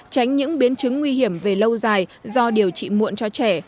tránh những biến chứng nguy hiểm về lâu dài do điều trị muộn cho trẻ